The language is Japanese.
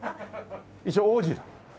一応「王子」。